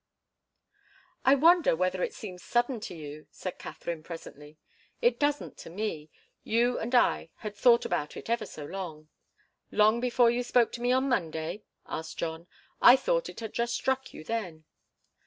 "I wonder whether it seems sudden to you," said Katharine, presently. "It doesn't to me. You and I had thought about it ever so long." "Long before you spoke to me on Monday?" asked John. "I thought it had just struck you then."